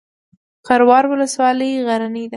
خروار ولسوالۍ غرنۍ ده؟